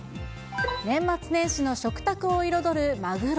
年末年始の食卓を彩るマグロ。